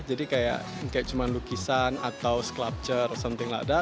jadi kayak cuman lukisan atau sklapture atau sesuatu yang tidak ada